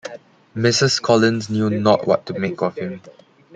Mrs. Collins knew not what to make of him.